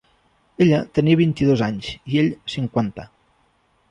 Ella tenia vint-i-dos anys i ell, cinquanta.